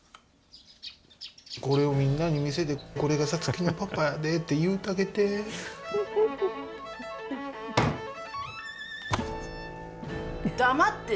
これをみんなに見せて、これがサツキのパパやでって言うたげて。